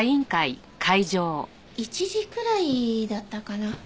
１時くらいだったかな。